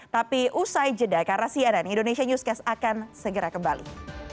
tapi usai jeda karena cnn indonesia newscast akan segera kembali